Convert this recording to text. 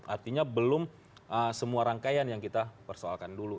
artinya belum semua rangkaian yang kita persoalkan dulu